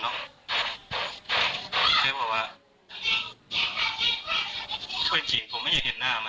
สวยจริงผมไม่ยังเห็นหน้ามันเลย